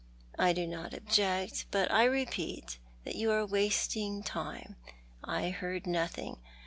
"I do not object, but I repeat that you are wasting time. I heard nothing.